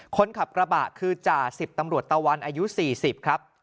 คนขับกระบะคือจ่าสิบตำรวจตะวันอายุ๔๐ครับ